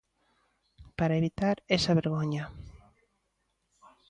Para evitar esa vergoña.